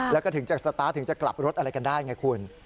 แล้วก็ถึงจะสตาร์ทถึงจะกลับรถอะไรกันได้ไงคุณ